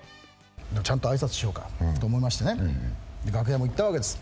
ちゃんとあいさつしようと思いましてね、楽屋も行ったわけです。